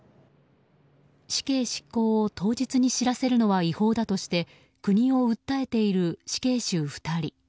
死刑執行を当日に知らせるのは違法だとして国を訴えている死刑囚２人。